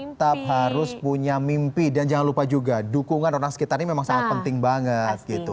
tetap harus punya mimpi dan jangan lupa juga dukungan orang sekitar ini memang sangat penting banget gitu